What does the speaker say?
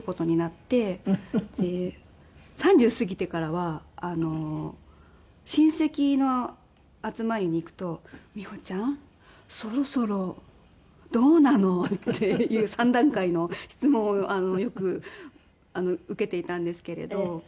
３０過ぎてからは親戚の集まりに行くと「美穂ちゃんそろそろどうなの？」っていう３段階の質問をよく受けていたんですけれど。